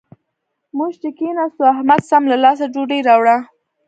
موږ چې کېناستو؛ احمد سم له لاسه ډوډۍ راوړه.